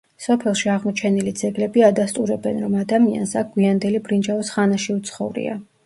სოფელში აღმოჩენილი ძეგლები ადასტურებენ, რომ ადამიანს აქ გვიანდელი ბრინჯაოს ხანაში უცხოვრია.